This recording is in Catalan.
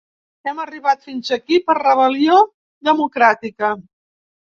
Hem arribat fins aquí per rebel·lió democràtica.